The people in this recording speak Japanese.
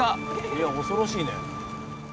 いや恐ろしいね。